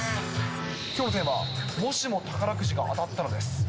きょうのテーマはもしも宝くじが当たったらです。